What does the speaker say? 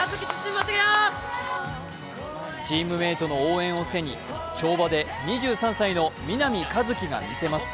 チームメイトの応援を背に跳馬で２３歳の南一輝が見せます。